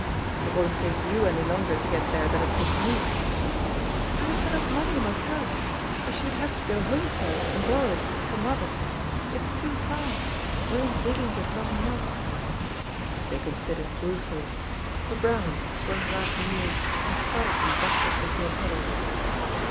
"It won't take you any longer to get there than it takes me." "I haven't enough money in my purse. I should have to go home first and borrow it from i« (THE POSITION OF PEGGY HARPER mother — Ws too fax; we're in diggings at Not ting umr They considered ruefully. A brougham swung round the mews, and startled them backwards into a puddle.